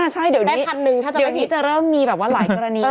ใช่เดี๋ยวนี้จะเริ่มมีแบบว่าหลายกรณี